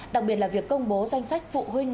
đặc biệt là việc công bố danh sách phụ huynh